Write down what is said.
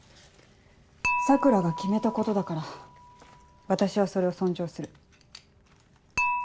桜が決めたことだから私はそれを尊重する。